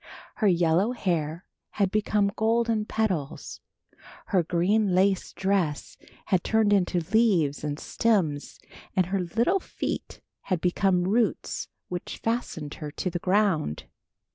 Her yellow hair had become golden petals, her green lace dress had turned into leaves and stems, and her little feet had become roots which fastened her to the ground.